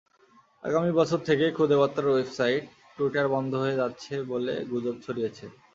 আগামী বছর থেকে খুদে বার্তার ওয়েবাসাইট টুইটার বন্ধ হয়ে যাচ্ছে বলে গুজব ছড়িয়েছে।